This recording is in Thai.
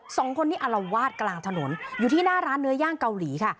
สองคนนี้อารวาสกลางถนนอยู่ที่หน้าร้านเนื้อย่างเกาหลีค่ะ